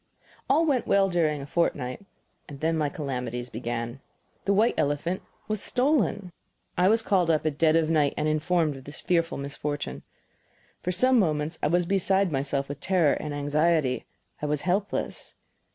All went well during a fortnight then my calamities began. The white elephant was stolen! I was called up at dead of night and informed of this fearful misfortune. For some moments I was beside myself with terror and anxiety; I was helpless.